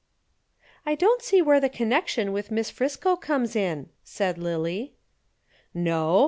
_ "I don't see where the connection with Miss Friscoe comes in," said Lillie. "No?